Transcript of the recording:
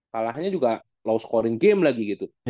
kalahnya juga low scoring game lagi gitu